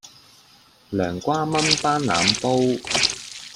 涼瓜炆班腩煲